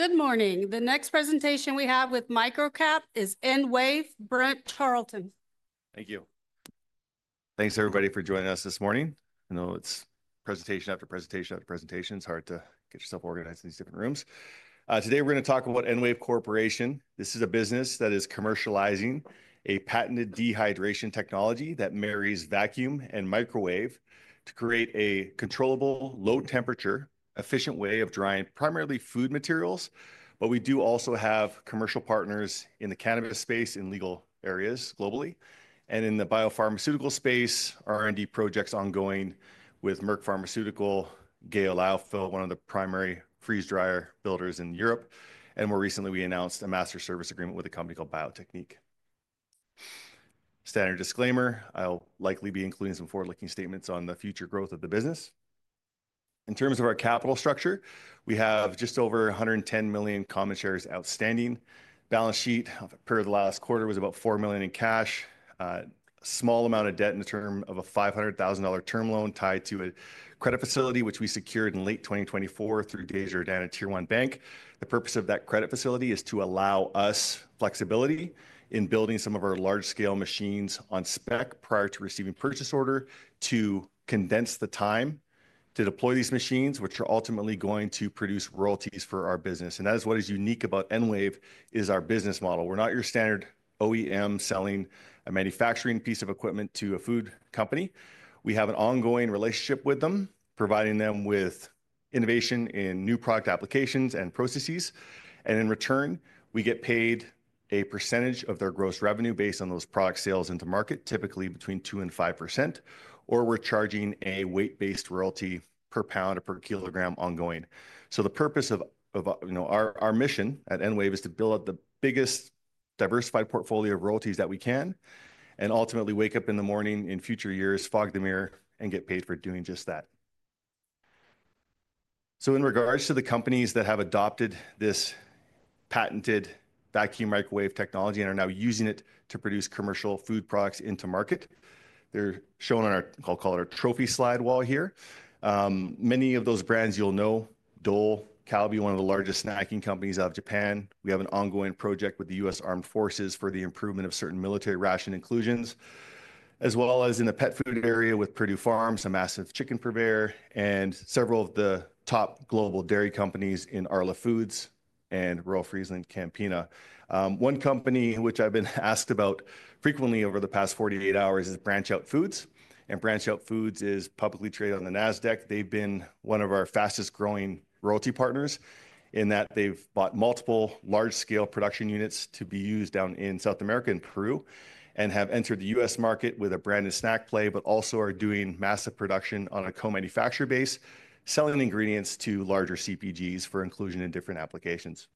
Good morning. The next presentation we have with MicroCap is EnWave Brent Charleton. Thank you. Thanks, everybody, for joining us this morning. I know it's presentation after presentation after presentation. It's hard to get yourself organized in these different rooms. Today we're going to talk about EnWave Corporation. This is a business that is commercializing a patented dehydration technology that marries vacuum and microwave to create a controllable, low-temperature, efficient way of drying primarily food materials. We do also have commercial partners in the cannabis space, in legal areas globally, and in the biopharmaceutical space. R&D projects ongoing with Merck Pharmaceutical, GEA Lyophil, one of the primary freeze dryer builders in Europe. More recently, we announced a master service agreement with a company called Biotechnique. Standard disclaimer: I'll likely be including some forward-looking statements on the future growth of the business. In terms of our capital structure, we have just over 110 million common shares outstanding. Balance sheet per the last quarter was about $4 million in cash, a small amount of debt in the term of a $500,000 term loan tied to a credit facility which we secured in late 2024 through Desjardins, a tier-one bank. The purpose of that credit facility is to allow us flexibility in building some of our large-scale machines on spec prior to receiving purchase order to condense the time to deploy these machines, which are ultimately going to produce royalties for our business. That is what is unique about EnWave: it is our business model. We're not your standard OEM selling a manufacturing piece of equipment to a food company. We have an ongoing relationship with them, providing them with innovation in new product applications and processes. In return, we get paid a percentage of their gross revenue based on those product sales into market, typically between 2% and 5%, or we're charging a weight-based royalty per pound or per kilogram ongoing. The purpose of, you know, our mission at EnWave is to build up the biggest diversified portfolio of royalties that we can and ultimately wake up in the morning in future years, fog the mirror, and get paid for doing just that. In regards to the companies that have adopted this patented vacuum microwave technology and are now using it to produce commercial food products into market, they're shown on our, I'll call it our trophy slide wall here. Many of those brands you'll know: Dole, Calbee, one of the largest snacking companies out of Japan. We have an ongoing project with the U.S. Armed Forces for the improvement of certain military ration inclusions, as well as in the pet food area with Perdue Farms, a massive chicken purveyor, and several of the top global dairy companies in Arla Foods and Royal FrieslandCampina. One company which I've been asked about frequently over the past 48 hours is BranchOut Foods. And BranchOut Foods is publicly traded on the NASDAQ. They've been one of our fastest-growing royalty partners in that they've bought multiple large-scale production units to be used down in South America and Peru and have entered the U.S. market with a branded snack play, but also are doing massive production on a co-manufacturer base, selling ingredients to larger CPGs for inclusion in different applications.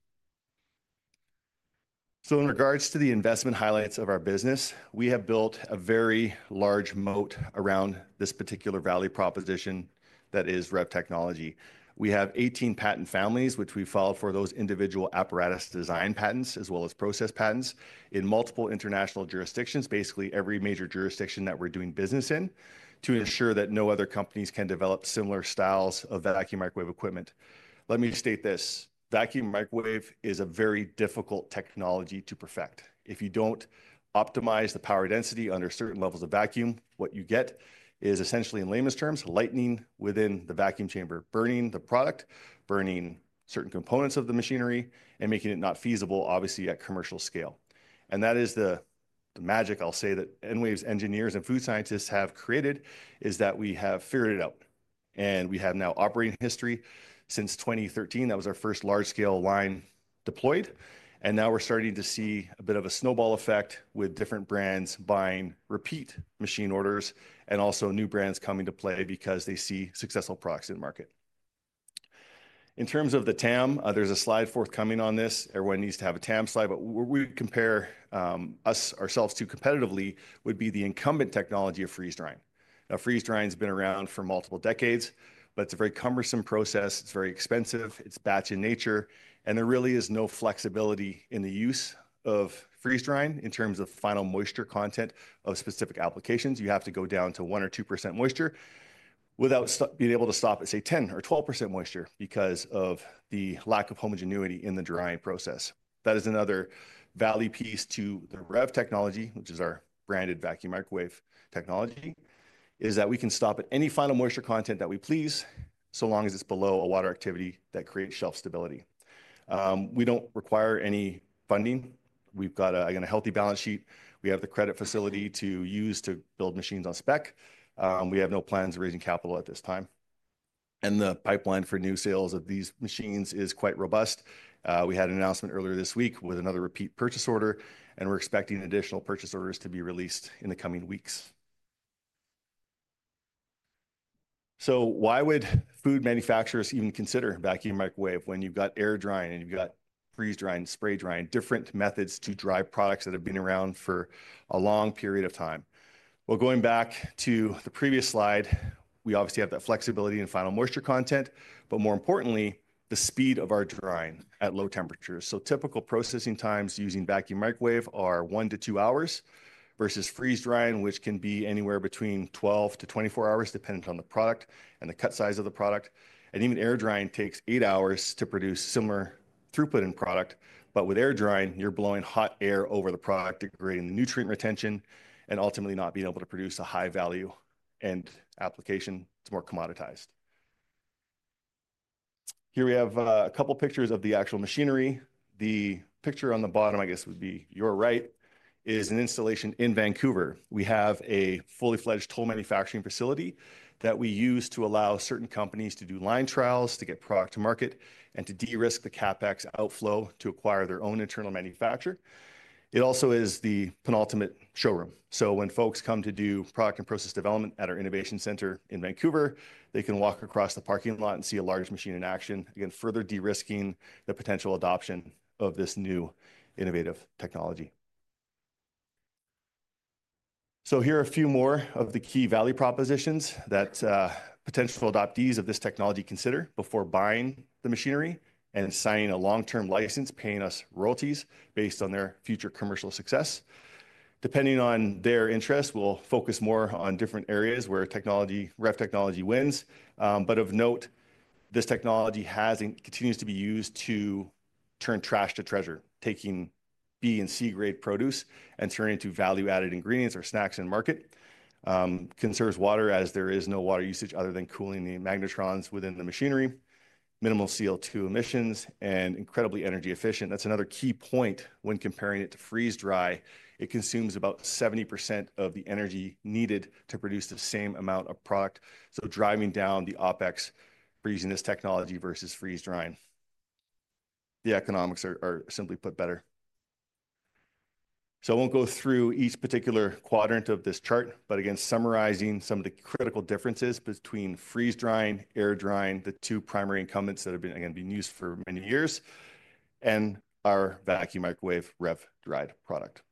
In regards to the investment highlights of our business, we have built a very large moat around this particular value proposition that is REV Technology. We have 18 patent families, which we follow for those individual apparatus design patents as well as process patents in multiple international jurisdictions, basically every major jurisdiction that we're doing business in, to ensure that no other companies can develop similar styles of vacuum microwave equipment. Let me state this: vacuum microwave is a very difficult technology to perfect. If you don't optimize the power density under certain levels of vacuum, what you get is essentially, in layman's terms, lightning within the vacuum chamber, burning the product, burning certain components of the machinery, and making it not feasible, obviously, at commercial scale. That is the magic, I'll say, that EnWave's engineers and food scientists have created, is that we have figured it out. We have now operating history since 2013. That was our first large-scale line deployed. We are starting to see a bit of a snowball effect with different brands buying repeat machine orders and also new brands coming to play because they see successful products in the market. In terms of the TAM, there is a slide forthcoming on this. Everyone needs to have a TAM slide. Where we compare ourselves competitively would be the incumbent technology of freeze drying. Freeze drying has been around for multiple decades, but it is a very cumbersome process. It is very expensive. It is batch in nature. There really is no flexibility in the use of freeze drying in terms of final moisture content of specific applications. You have to go down to 1% or 2% moisture without being able to stop at, say, 10% or 12% moisture because of the lack of homogeneity in the drying process. That is another value piece to the REV Technology, which is our branded vacuum microwave technology, is that we can stop at any final moisture content that we please so long as it's below a water activity that creates shelf stability. We don't require any funding. We've got a healthy balance sheet. We have the credit facility to use to build machines on spec. We have no plans of raising capital at this time. The pipeline for new sales of these machines is quite robust. We had an announcement earlier this week with another repeat purchase order, and we're expecting additional purchase orders to be released in the coming weeks. Why would food manufacturers even consider vacuum microwave when you've got air drying and you've got freeze drying, spray drying, different methods to dry products that have been around for a long period of time? Going back to the previous slide, we obviously have that flexibility in final moisture content, but more importantly, the speed of our drying at low temperatures. Typical processing times using vacuum microwave are 1-2 hours versus freeze drying, which can be anywhere between 12-24 hours, dependent on the product and the cut size of the product. Even air drying takes 8 hours to produce similar throughput in product. With air drying, you're blowing hot air over the product, degrading the nutrient retention, and ultimately not being able to produce a high-value end application. It's more commoditized. Here we have a couple of pictures of the actual machinery. The picture on the bottom, I guess, would be your right, is an installation in Vancouver. We have a fully-fledged toll manufacturing facility that we use to allow certain companies to do line trials, to get product to market, and to de-risk the CapEx outflow to acquire their own internal manufacturer. It also is the penultimate showroom. When folks come to do product and process development at our Innovation Center in Vancouver, they can walk across the parking lot and see a large machine in action, again, further de-risking the potential adoption of this new innovative technology. Here are a few more of the key value propositions that potential adoptees of this technology consider before buying the machinery and signing a long-term license, paying us royalties based on their future commercial success. Depending on their interest, we'll focus more on different areas where technology, REV Technology, wins. Of note, this technology continues to be used to turn trash to treasure, taking B and C-grade produce and turning it into value-added ingredients or snacks in market. It conserves water as there is no water usage other than cooling the magnetrons within the machinery, minimal CO2 emissions, and incredibly energy efficient. That is another key point. When comparing it to freeze dry, it consumes about 70% of the energy needed to produce the same amount of product. Driving down the OpEx for using this technology versus freeze drying, the economics are, simply put, better. I will not go through each particular quadrant of this chart, but again, summarizing some of the critical differences between freeze drying, air drying, the two primary incumbents that have been, again, being used for many years, and our vacuum microwave REV Dried product.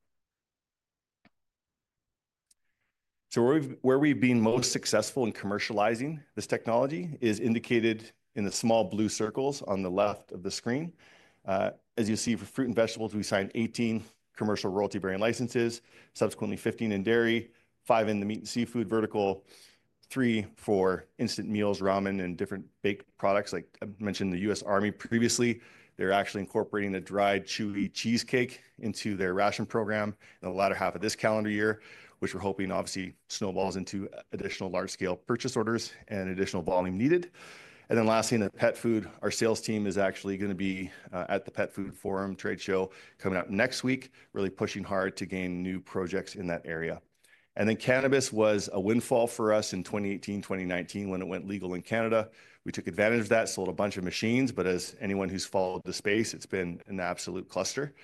Where we've been most successful in commercializing this technology is indicated in the small blue circles on the left of the screen. As you see, for fruit and vegetables, we signed 18 commercial royalty-bearing licenses, subsequently 15 in dairy, 5 in the meat and seafood vertical, 3 for instant meals, ramen, and different baked products. Like I mentioned the U.S. Army previously, they're actually incorporating a dried chewy cheesecake into their ration program in the latter half of this calendar year, which we're hoping, obviously, snowballs into additional large-scale purchase orders and additional volume needed. Lastly, in the pet food, our sales team is actually going to be at the Pet Food Forum trade show coming up next week, really pushing hard to gain new projects in that area. Cannabis was a windfall for us in 2018, 2019 when it went legal in Canada. We took advantage of that, sold a bunch of machines. As anyone who's followed the space, it's been an absolute cluster.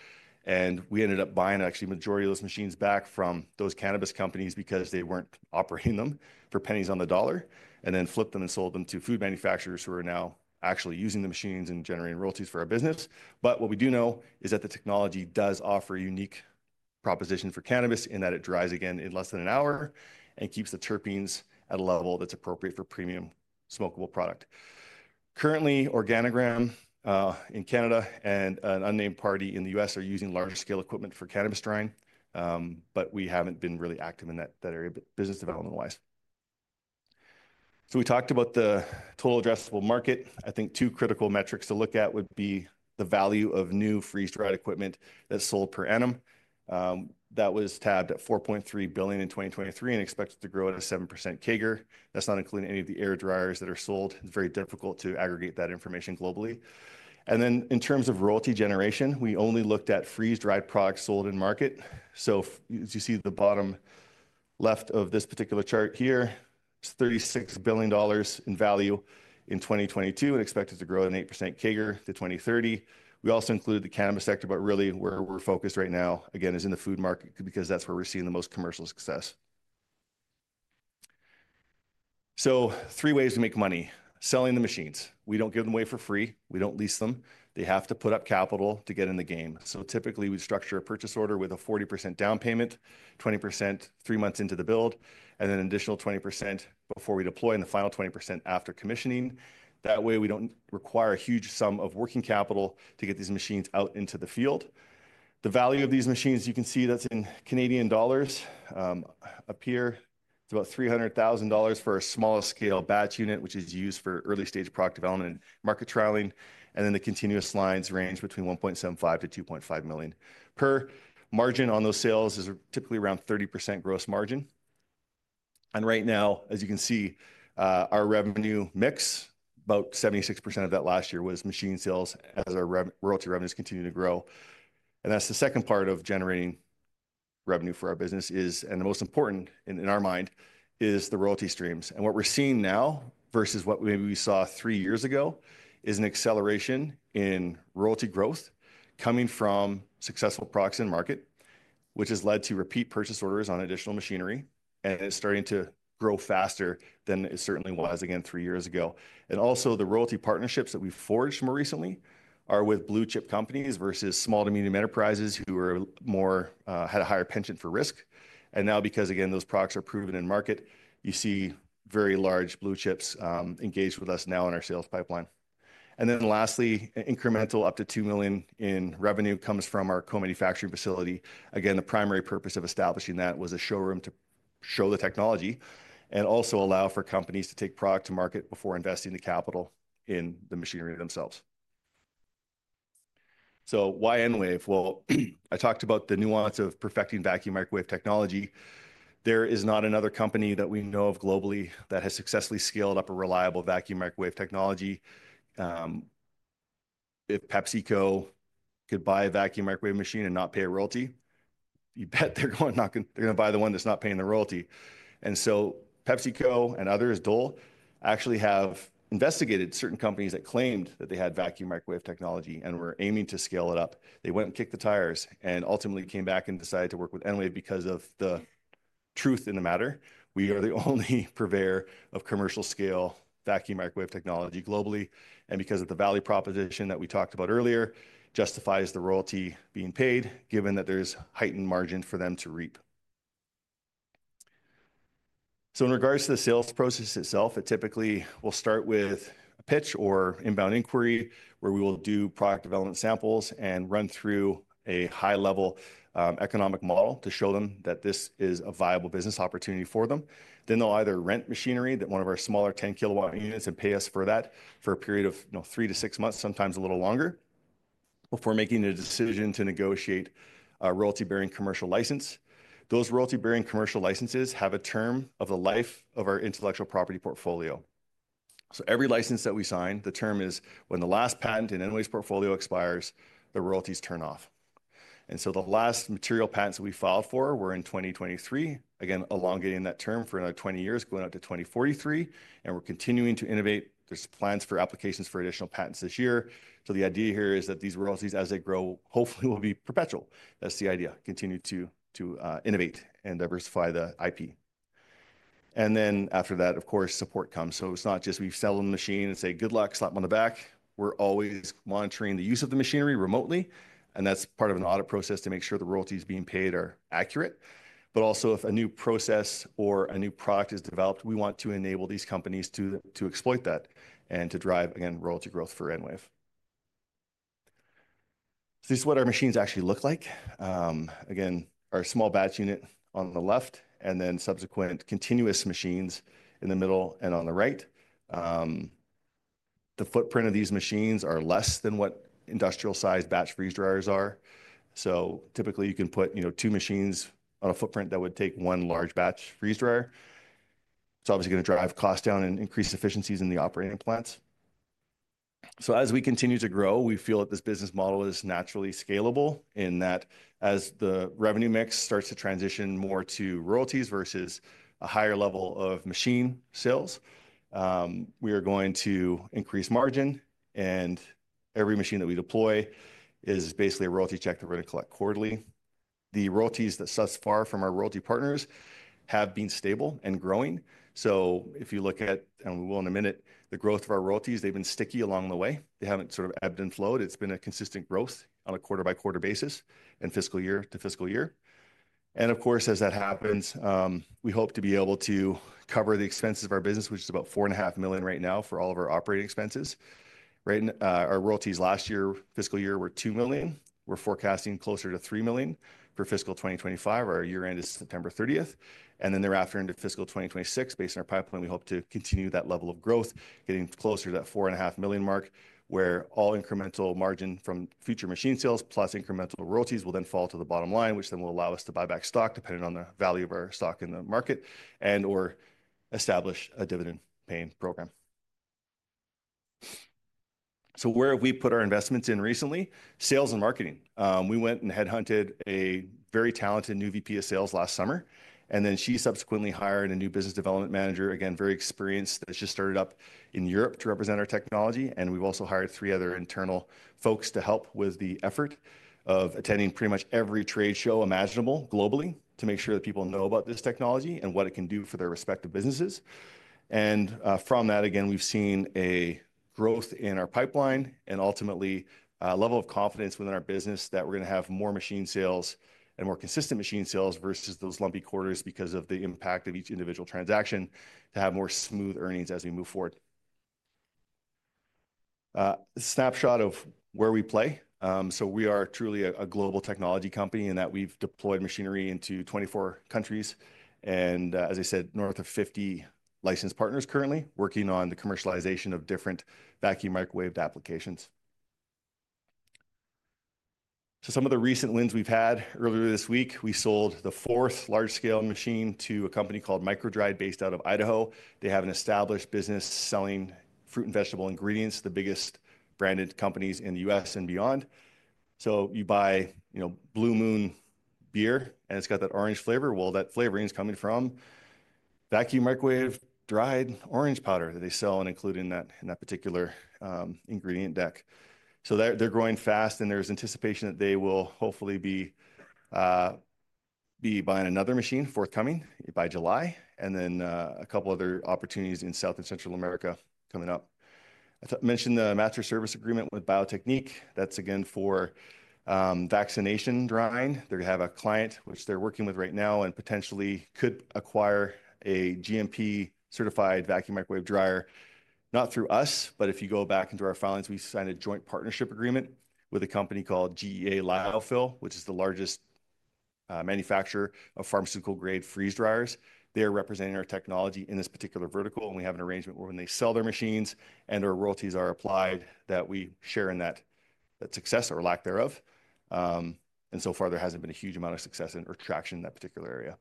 We ended up buying, actually, the majority of those machines back from those cannabis companies because they weren't operating them for pennies on the dollar, and then flipped them and sold them to food manufacturers who are now actually using the machines and generating royalties for our business. What we do know is that the technology does offer a unique proposition for cannabis in that it dries, again, in less than an hour and keeps the terpenes at a level that's appropriate for premium smokable product. Currently, Organigram in Canada and an unnamed party in the U.S. are using large-scale equipment for cannabis drying, but we haven't been really active in that area business development-wise. We talked about the total addressable market. I think two critical metrics to look at would be the value of new freeze-dried equipment that's sold per annum. That was tabbed at $4.3 billion in 2023 and expected to grow at a 7% CAGR. That is not including any of the air dryers that are sold. It is very difficult to aggregate that information globally. In terms of royalty generation, we only looked at freeze-dried products sold in market. As you see the bottom left of this particular chart here, it is $36 billion in value in 2022 and expected to grow at an 8% CAGR to 2030. We also included the cannabis sector, but really where we are focused right now, again, is in the food market because that is where we are seeing the most commercial success. Three ways to make money: selling the machines. We do not give them away for free. We do not lease them. They have to put up capital to get in the game. Typically, we structure a purchase order with a 40% down payment, 20% three months into the build, an additional 20% before we deploy, and the final 20% after commissioning. That way, we do not require a huge sum of working capital to get these machines out into the field. The value of these machines, you can see that is in CAD up here. It is about 300,000 dollars for a small-scale batch unit, which is used for early-stage product development and market trialing. The continuous lines range between 1.75 million-2.5 million. Per margin on those sales is typically around 30% gross margin. Right now, as you can see, our revenue mix, about 76% of that last year was machine sales as our royalty revenues continue to grow. That is the second part of generating revenue for our business, and the most important in our mind, is the royalty streams. What we are seeing now versus what maybe we saw three years ago is an acceleration in royalty growth coming from successful products in market, which has led to repeat purchase orders on additional machinery, and it is starting to grow faster than it certainly was, again, three years ago. Also, the royalty partnerships that we have forged more recently are with blue-chip companies versus small to medium enterprises who had a higher penchant for risk. Now, because, again, those products are proven in market, you see very large blue chips engaged with us now in our sales pipeline. Lastly, incremental up to $2 million in revenue comes from our co-manufacturing facility. Again, the primary purpose of establishing that was a showroom to show the technology and also allow for companies to take product to market before investing the capital in the machinery themselves. Why EnWave? I talked about the nuance of perfecting vacuum microwave technology. There is not another company that we know of globally that has successfully scaled up a reliable vacuum microwave technology. If PepsiCo could buy a vacuum microwave machine and not pay a royalty, you bet they're going to buy the one that's not paying the royalty. PepsiCo and others, Dole, actually have investigated certain companies that claimed that they had vacuum microwave technology and were aiming to scale it up. They went and kicked the tires and ultimately came back and decided to work with EnWave because of the truth in the matter. We are the only purveyor of commercial-scale vacuum microwave technology globally. Because of the value proposition that we talked about earlier, it justifies the royalty being paid, given that there is heightened margin for them to reap. In regards to the sales process itself, it typically will start with a pitch or inbound inquiry where we will do product development samples and run through a high-level economic model to show them that this is a viable business opportunity for them. They will either rent machinery, one of our smaller 10 kW units, and pay us for that for a period of three to six months, sometimes a little longer, before making a decision to negotiate a royalty-bearing commercial license. Those royalty-bearing commercial licenses have a term of the life of our intellectual property portfolio. Every license that we sign, the term is when the last patent in EnWave's portfolio expires, the royalties turn off. The last material patents that we filed for were in 2023, again, elongating that term for another 20 years, going out to 2043. We are continuing to innovate. There are plans for applications for additional patents this year. The idea here is that these royalties, as they grow, hopefully will be perpetual. That is the idea, continue to innovate and diversify the IP. After that, of course, support comes. It is not just we sell them the machine and say, "Good luck, slap them on the back." We are always monitoring the use of the machinery remotely. That is part of an audit process to make sure the royalties being paid are accurate. Also, if a new process or a new product is developed, we want to enable these companies to exploit that and to drive, again, royalty growth for EnWave. This is what our machines actually look like. Again, our small batch unit on the left and then subsequent continuous machines in the middle and on the right. The footprint of these machines is less than what industrial-sized batch freeze dryers are. Typically, you can put two machines on a footprint that would take one large batch freeze dryer. It is obviously going to drive costs down and increase efficiencies in the operating plants. As we continue to grow, we feel that this business model is naturally scalable in that as the revenue mix starts to transition more to royalties versus a higher level of machine sales, we are going to increase margin. Every machine that we deploy is basically a royalty check that we're going to collect quarterly. The royalties that set us far from our royalty partners have been stable and growing. If you look at, and we will in a minute, the growth of our royalties, they've been sticky along the way. They haven't sort of ebbed and flowed. It's been a consistent growth on a quarter-by-quarter basis and fiscal year to fiscal year. Of course, as that happens, we hope to be able to cover the expenses of our business, which is about 4.5 million right now for all of our operating expenses. Our royalties last year, fiscal year, were 2 million. We're forecasting closer to 3 million for fiscal 2025. Our year-end is September 30th. Thereafter into fiscal 2026, based on our pipeline, we hope to continue that level of growth, getting closer to that $4.5 million mark where all incremental margin from future machine sales plus incremental royalties will then fall to the bottom line, which then will allow us to buy back stock depending on the value of our stock in the market and/or establish a dividend-paying program. Where have we put our investments in recently? Sales and marketing. We went and headhunted a very talented new VP of Sales last summer. She subsequently hired a new business development manager, again, very experienced, that just started up in Europe to represent our technology. We have also hired three other internal folks to help with the effort of attending pretty much every trade show imaginable globally to make sure that people know about this technology and what it can do for their respective businesses. From that, again, we have seen a growth in our pipeline and ultimately a level of confidence within our business that we are going to have more machine sales and more consistent machine sales versus those lumpy quarters because of the impact of each individual transaction to have more smooth earnings as we move forward. Snapshot of where we play. We are truly a global technology company in that we have deployed machinery into 24 countries. As I said, north of 50 licensed partners are currently working on the commercialization of different vacuum microwave applications. Some of the recent wins we've had earlier this week, we sold the fourth large-scale machine to a company called MicroDried based out of Idaho. They have an established business selling fruit and vegetable ingredients, the biggest branded companies in the U.S. and beyond. You buy Blue Moon beer and it's got that orange flavor. That flavoring is coming from vacuum microwave dried orange powder that they sell and include in that particular ingredient deck. They're growing fast and there's anticipation that they will hopefully be buying another machine forthcoming by July and then a couple of other opportunities in South and Central America coming up. I mentioned the master service agreement with Biotechnique. That's again for vaccination drying. They're going to have a client, which they're working with right now and potentially could acquire a GMP-certified vacuum microwave dryer, not through us, but if you go back into our filings, we signed a joint partnership agreement with a company called GEA Lyophil, which is the largest manufacturer of pharmaceutical-grade freeze dryers. They are representing our technology in this particular vertical. We have an arrangement where when they sell their machines and their royalties are applied that we share in that success or lack thereof. So far, there hasn't been a huge amount of success or traction in that particular area.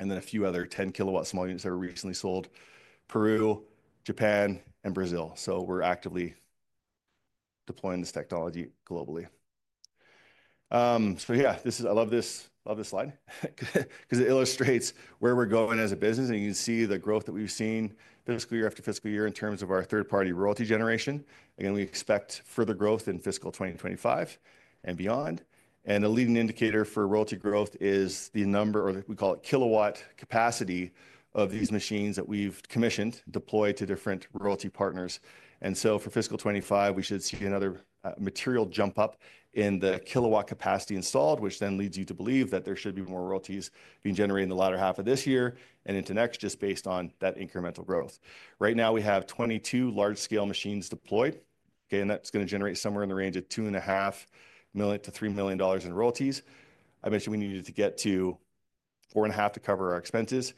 A few other 10 kW small units that were recently sold: Peru, Japan, and Brazil. We're actively deploying this technology globally. I love this slide because it illustrates where we're going as a business. You can see the growth that we've seen fiscal year after fiscal year in terms of our third-party royalty generation. Again, we expect further growth in fiscal 2025 and beyond. The leading indicator for royalty growth is the number, or we call it kilowatt capacity, of these machines that we've commissioned, deployed to different royalty partners. For fiscal 2025, we should see another material jump up in the kilowatt capacity installed, which then leads you to believe that there should be more royalties being generated in the latter half of this year and into next just based on that incremental growth. Right now, we have 22 large-scale machines deployed. That is going to generate somewhere in the range of $2.5 million-$3 million in royalties. I mentioned we needed to get to $4.5 million to cover our expenses.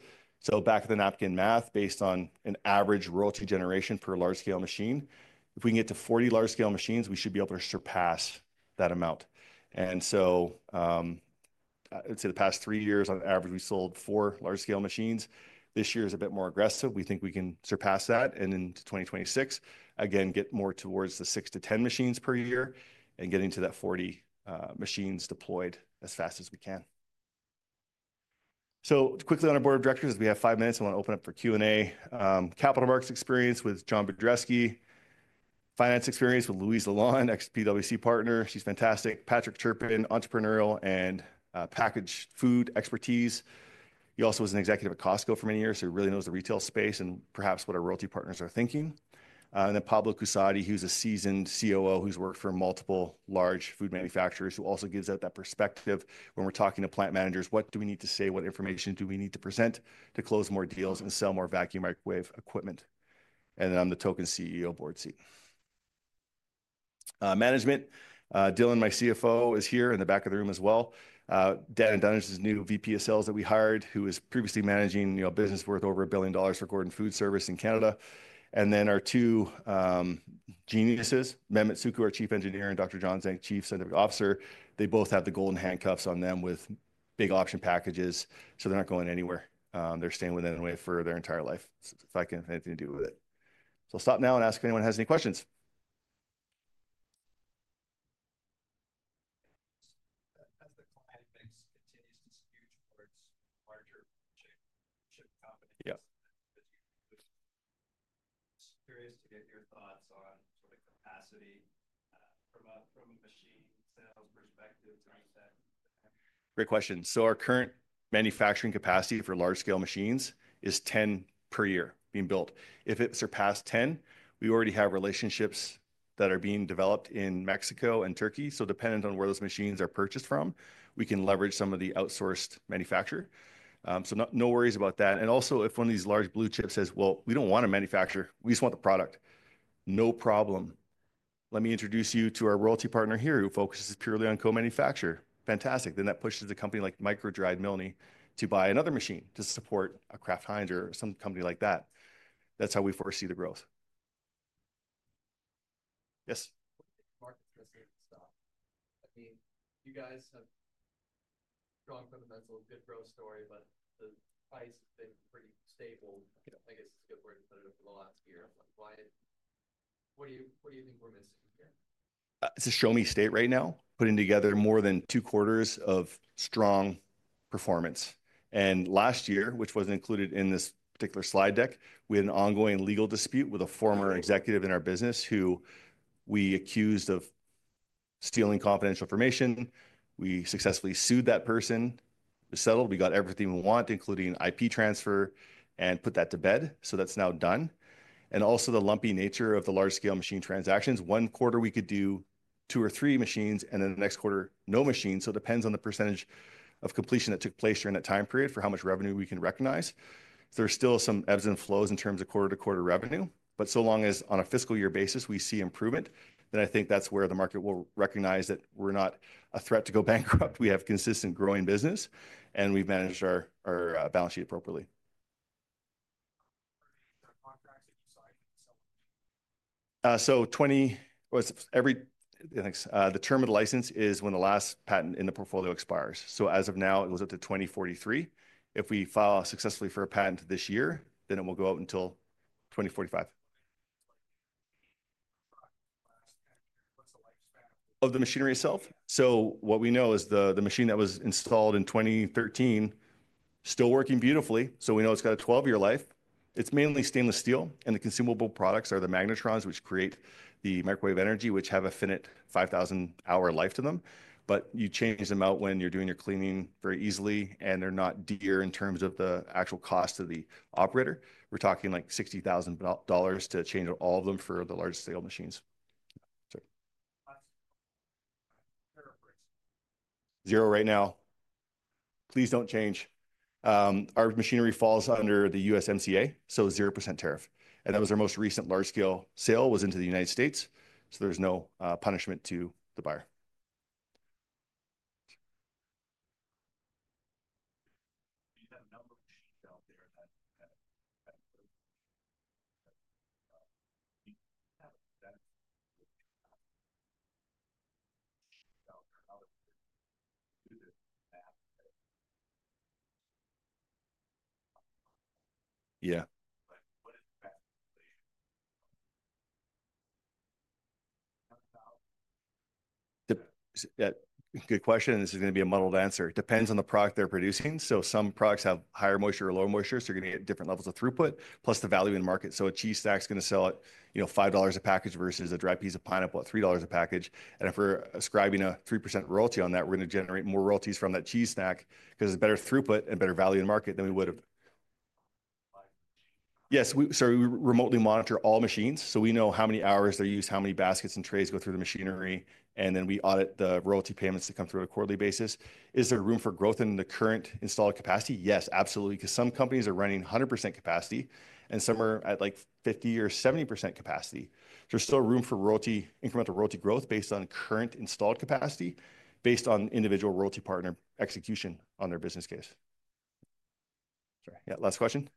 Back of the napkin math, based on an average royalty generation per large-scale machine, if we can get to 40 large-scale machines, we should be able to surpass that amount. I'd say the past three years, on average, we sold four large-scale machines. This year is a bit more aggressive. We think we can surpass that and in 2026, again, get more towards the 6-10 machines per year and get into that 40 machines deployed as fast as we can. Quickly on our board of directors, as we have five minutes, I want to open up for Q&A. Capital markets experience with John Budreski. Finance experience with Louise Lalonde, ex-PwC partner. She's fantastic. Patrick Turpin, entrepreneurial and packaged food expertise. He also was an executive at Costco for many years, so he really knows the retail space and perhaps what our royalty partners are thinking. Pablo Cussatti, who's a seasoned COO who's worked for multiple large food manufacturers, also gives out that perspective when we're talking to plant managers. What do we need to say? What information do we need to present to close more deals and sell more vacuum microwave equipment? I'm the token CEO board seat. Management, Dylan, my CFO, is here in the back of the room as well. Danna Dunnard is the new VP of sales that we hired, who was previously managing business worth over $1 billion for Gordon Food Service in Canada. Our two geniuses, Mehmet Sucu, our chief engineer, and Dr. John Zenk, Chief Science Officer, they both have the golden handcuffs on them with big auction packages. So they're not going anywhere. They're staying with EnWave for their entire life, if I can have anything to do with it. I'll stop now and ask if anyone has any questions. As the client base continues to skew towards larger blue-chip companies, I'm curious to get your thoughts on sort of capacity from a machine sales perspective to reset. Great question. Our current manufacturing capacity for large-scale machines is 10 per year being built. If it surpassed 10, we already have relationships that are being developed in Mexico and Turkey. Depending on where those machines are purchased from, we can leverage some of the outsourced manufacturer. No worries about that. Also, if one of these large blue chips says, "Well, we don't want to manufacture. We just want the product," no problem. Let me introduce you to our royalty partner here who focuses purely on co-manufacture. Fantastic. That pushes a company like MicroDried or Milne to buy another machine to support a Kraft Heinz or some company like that. That's how we foresee the growth. Yes? Market trends are going to stop. I mean, you guys have strong fundamentals, good growth story, but the price has been pretty stable. I guess it's a good word to put it for the last year. What do you think we're missing here? It's a show me state right now, putting together more than two quarters of strong performance. Last year, which was not included in this particular slide deck, we had an ongoing legal dispute with a former executive in our business who we accused of stealing confidential information. We successfully sued that person. We settled. We got everything we want, including IP transfer, and put that to bed. That is now done. Also, the lumpy nature of the large-scale machine transactions. One quarter, we could do two or three machines, and then the next quarter, no machines. It depends on the percentage of completion that took place during that time period for how much revenue we can recognize. There are still some ebbs and flows in terms of quarter-to-quarter revenue. As long as on a fiscal year basis, we see improvement, then I think that is where the market will recognize that we are not a threat to go bankrupt. We have consistent growing business, and we have managed our balance sheet appropriately. The term of the license is when the last patent in the portfolio expires. As of now, it goes up to 2043. If we file successfully for a patent this year, then it will go out until 2045. Last 10 years, what's the lifespan of the machinery itself? What we know is the machine that was installed in 2013 is still working beautifully. We know it's got a 12-year life. It's mainly stainless steel, and the consumable products are the magnetrons, which create the microwave energy, which have a finite 5,000-hour life to them. You change them out when you're doing your cleaning very easily, and they're not dear in terms of the actual cost to the operator. We're talking like $60,000 to change all of them for the large-scale machines. Zero right now. Please don't change. Our machinery falls under the USMCA, so 0% tariff. That was our most recent large-scale sale was into the United States. There's no punishment to the buyer. [Distorted Sound] Good question. This is going to be a muddled answer. It depends on the product they're producing. Some products have higher moisture or lower moisture, so you're going to get different levels of throughput, plus the value in market. A cheese stack is going to sell at $5 a package versus a dry piece of pineapple at $3 a package. If we're ascribing a 3% royalty on that, we're going to generate more royalties from that cheese stack because it's better throughput and better value in market than we would have. Yes. We remotely monitor all machines. We know how many hours they're used, how many baskets and trays go through the machinery, and then we audit the royalty payments that come through on a quarterly basis. Is there room for growth in the current installed capacity? Yes, absolutely. Because some companies are running 100% capacity, and some are at like 50% or 70% capacity. There's still room for incremental royalty growth based on current installed capacity, based on individual royalty partner execution on their business case. Sorry. Yeah. Last question.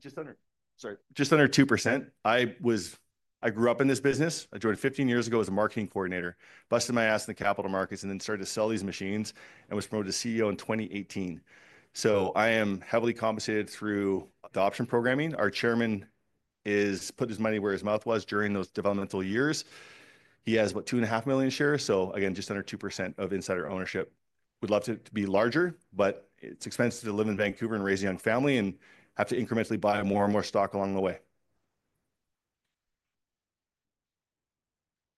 Just under 2%. I grew up in this business. I joined 15 years ago as a marketing coordinator, busted my ass in the capital markets, and then started to sell these machines and was promoted to CEO in 2018. I am heavily compensated through adoption programming. Our chairman put his money where his mouth was during those developmental years. He has what, 2.5 million shares? Just under 2% of insider ownership. Would love to be larger, but it's expensive to live in Vancouver and raise a young family and have to incrementally buy more and more stock along the way.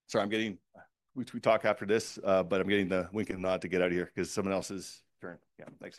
Sorry, I'm getting—we talk after this, but I'm getting the wink and nod to get out of here because someone else is turning. Yeah.